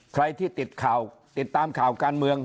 ใครที่ติดข่าวติดตามข่าวการเมือง